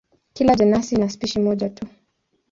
Kila jenasi ina spishi moja tu.